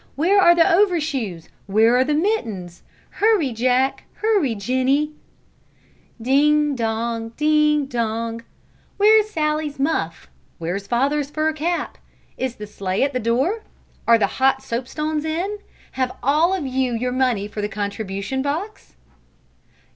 Where are the overshoes? Where are the mittens? Hurry, Jack! Hurry, Jennie!" Ding dong! Ding dong! "Where's Sally's muff? Where's father's fur cap? Is the sleigh at the door? Are the hot soapstones in? Have all of you your money for the contribution box?"